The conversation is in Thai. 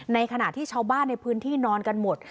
ในขณะที่ชาวบ้านในพื้นที่นอนกันหมด